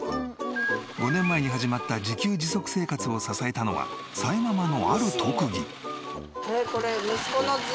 ５年前に始まった自給自足生活を支えたのはさえママのある特技。